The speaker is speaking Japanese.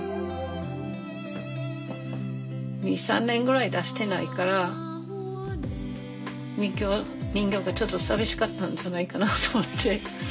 ２３年ぐらい出してないから人形がちょっと寂しかったんじゃないかなと思って。